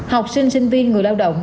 học sinh sinh viên người lao động